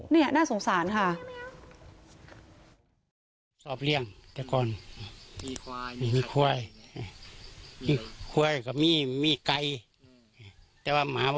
นี่น่าสงสารค่ะ